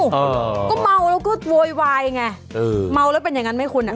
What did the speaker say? อ๋อก็เมาแล้วก็โวยวายไงเมาแล้วเป็นอย่างนั้นไม่คุ้นนะ